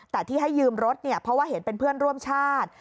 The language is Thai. แต่ที่ให้ยืมรถเนี่ยเพราะว่าเห็นเป็นเพื่อนร่วมชาติ